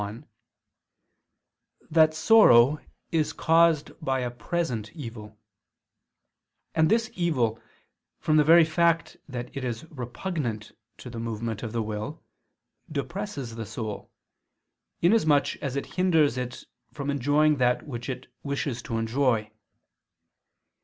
1) that sorrow is caused by a present evil: and this evil, from the very fact that it is repugnant to the movement of the will, depresses the soul, inasmuch as it hinders it from enjoying that which it wishes to enjoy.